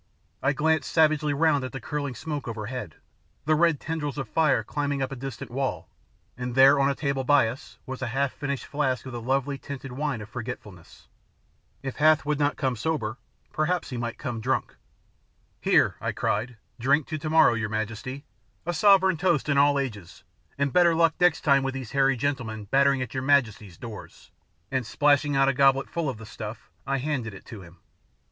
I glanced savagely round at the curling smoke overhead, the red tendrils of fire climbing up a distant wall, and there on a table by us was a half finished flask of the lovely tinted wine of forgetfulness. If Hath would not come sober perhaps he might come drunk. "Here," I cried, "drink to tomorrow, your majesty, a sovereign toast in all ages, and better luck next time with these hairy gentlemen battering at your majesty's doors," and splashing out a goblet full of the stuff I handed it to him.